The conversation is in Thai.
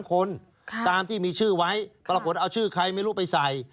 คนตามที่มีชื่อไว้ปรากฏเอาชื่อใครไม่รู้ไปใส่